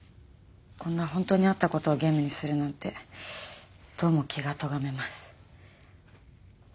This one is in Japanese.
こんな本当にあったことをゲームにするなんてどうも気がとがめます。